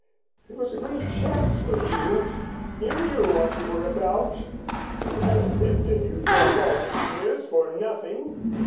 It was a great chance for you. You knew what you were about. You haven't lived in New York all these years for nothing.